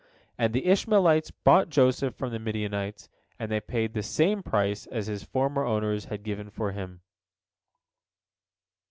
And the Ishmaelites bought Joseph from the Midianites, and they paid the same price as his former owners had given for him.